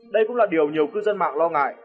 đây cũng là điều nhiều cư dân mạng lo ngại